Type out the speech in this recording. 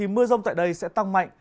mưa rông tại đây sẽ tăng mạnh